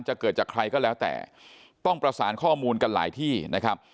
เกิดจากใครก็แล้วแต่ต้องประสานข้อมูลกันหลายที่นะครับ